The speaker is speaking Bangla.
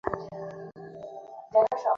ওহ, হ্যাঁ, এই সুরটা।